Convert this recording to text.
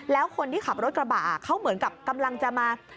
แล้วคนที่ขับรถกระบะเขาเหมือนกับกำลังจะมา